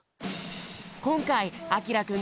こんかいあきらくん